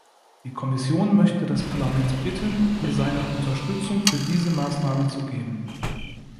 Die Kommission möchte das Parlament bitten, ihr seine Unterstützung für diese Maßnahmen zu geben.